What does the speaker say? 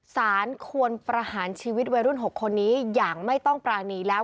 สารควรประหารชีวิตวัยรุ่น๖คนนี้อย่างไม่ต้องปรานีแล้ว